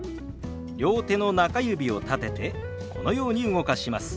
両手の中指を立ててこのように動かします。